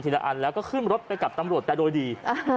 เราก็ขึ้นไปรถกับตำรวจแต่โดยดี